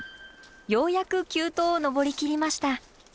ようやく急登を登りきりました。